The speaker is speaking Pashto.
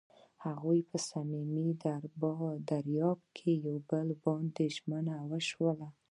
هغوی په صمیمي دریاب کې پر بل باندې ژمن شول.